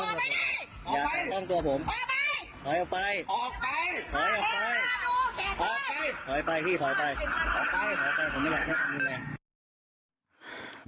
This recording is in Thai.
ออกไปอย่าแตะต้องจัดผมอย่าแตะต้องจัดผม